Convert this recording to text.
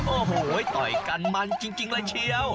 โอ้โหต่อยกันมันจริงเลยเชียว